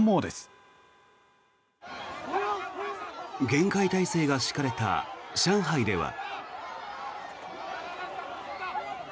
厳戒態勢が敷かれた上海では。